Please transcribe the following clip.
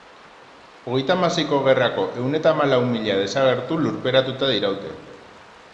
Hogeita hamaseiko gerrako ehun eta hamalau mila desagertu lurperatuta diraute.